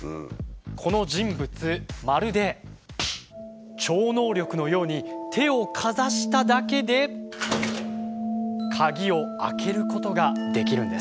この人物まるで超能力のように手をかざしただけで鍵を開けることができるんです。